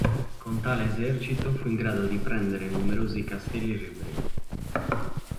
Con tale esercito fu in grado di prendere numerosi castelli ribelli.